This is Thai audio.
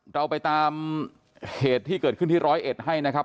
เราไปตามเหตุที่เกิดขึ้นที่ร้อยเอ็ดให้นะครับ